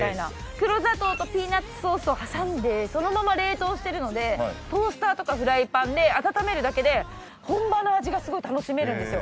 黒砂糖とピーナツソースを挟んでそのまま冷凍してるのでトースターとかフライパンで温めるだけで本場の味が楽しめるんですよ。